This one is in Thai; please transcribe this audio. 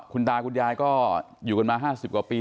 คุณตาคุณยายก็อยู่กันมา๕๐กว่าปี